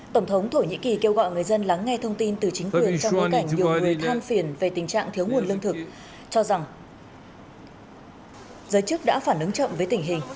tổng thống thổ nhĩ kỳ kêu gọi người dân lắng nghe thông tin từ chính quyền trong nơi cảnh nhiều người than phiền về tình trạng thiếu nguồn lương thực cho rằng giới chức đã phản ứng chậm với tình hình